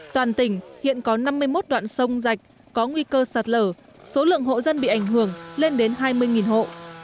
toàn tỉnh hiện có năm mươi một đoạn sông dạch có nguy cơ sạt lở số lượng hộ dân bị ảnh hưởng lên đến hai mươi hộ